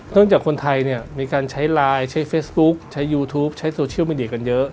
จากคนไทยเนี่ยมีการใช้ไลน์ใช้เฟซบุ๊คใช้ยูทูปใช้โซเชียลมีเดียกันเยอะ